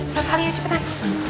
ayo rasanya cepetan